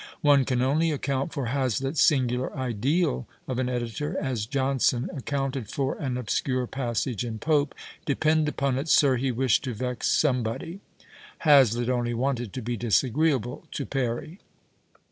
One can only account for Hazlitfs singular ideal of an editor as Johnson accounted for an obscure passage in Pope, " Depend upon it, Sir, he wished to vex somebody." Ilazlitt only wanted to be disagreeable to Perry.